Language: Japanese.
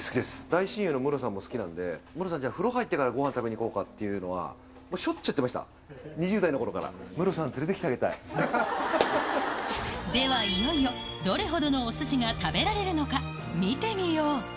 大親友のムロさんも好きなんで、ムロさん、じゃあ風呂入ってからごはん食べに行こうかっていうのは、しょっちゅう言ってました、２０代のころから、ムロさん連れてきてあげではいよいよ、どれほどのおすしが食べられるのか、見てみよう。